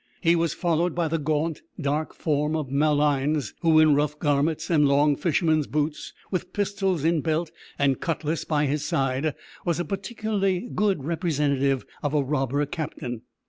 He was followed by the gaunt, dark form of Malines, who, in rough garments and long fishermen's boots, with pistols in belt, and cutlass by his side, was a particularly good representative of a robber captain.